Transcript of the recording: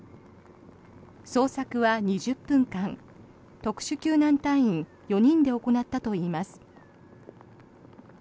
捜索は２０分間特殊救難隊員４人で行ったといいます。